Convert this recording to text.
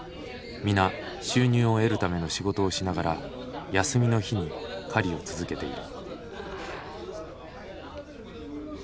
皆収入を得るための仕事をしながら休みの日に狩りを続けている。